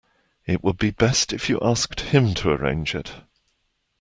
It would be best if you asked him to arrange it.